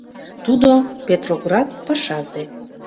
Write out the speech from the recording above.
Тудо — Петроград пашазе.